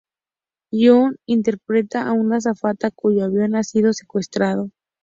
Gong Li interpreta a una azafata cuyo avión ha sido secuestrado.